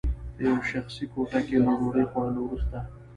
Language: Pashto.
په یوه شخصي کوټه کې له ډوډۍ خوړلو وروسته